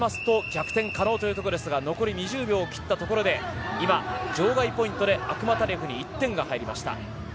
２点を決めますと逆転可能ということですが残り２０秒を切ったところで今、場外ポイントでアクマタリエフに１点が入りました。